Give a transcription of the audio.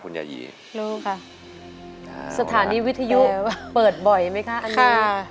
ยายีรู้ค่ะสถานีวิทยุเปิดบ่อยไหมคะอันนี้